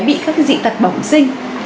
em bé bị các cái dị tật bổng sinh